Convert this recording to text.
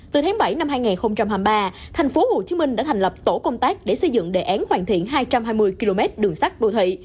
từ tháng bảy năm hai nghìn hai mươi ba tp hcm đã thành lập tổ công tác để xây dựng đề án hoàn thiện hai trăm hai mươi km đường sắt đô thị